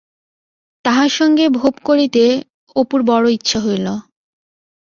তাহার সঙ্গে ভোব করিতে অপুর বড় ইচ্ছা হইল।